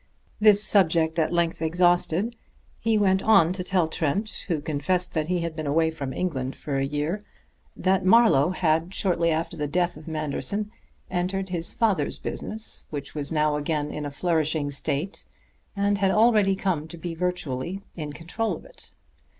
This subject at length exhausted, he went on to tell Trent, who confessed that he had been away from England for a year, that Marlowe had shortly after the death of Manderson entered his father's business, which was now again in a flourishing state, and had already come to be virtually in control of it.